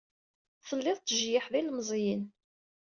Telliḍ tettjeyyiḥeḍ ilemẓiyen.